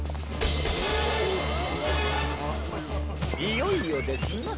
いよいよですな。